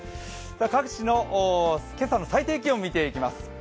各地の今朝の最低気温を見ていきます。